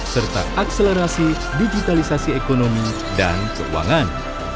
serta akselerasi digitalisasi ekonomi dan keuangan